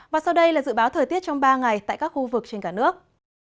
và sau đây là dự báo thời tiết trong ba ngày tại các khu vực trên cả nước